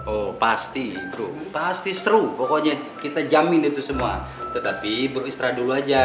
oh pasti bru pasti seru pokoknya kita jamin itu semua tetapi beristra dulu aja